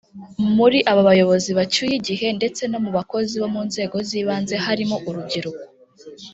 muri aba bayobozi bacyuye igihe ndetse no mu bakozi bo mu nzego z’ibanze harimo urubyiruko